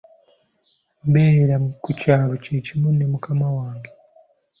Mbeera ku kyalo kye kimu ne mukama wange.